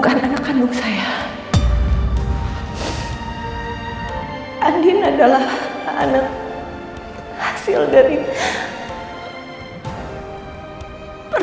adin juga kan kutip ibu